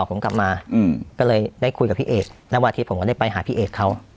ผมกลับมาก็เลยได้คุยกับพี่เอกณวันอาทิตย์ผมก็ได้ไปหาพี่เอกเขา